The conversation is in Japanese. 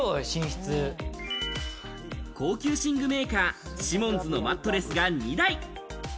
高級寝具メーカー・シモンズのマットレスが２台。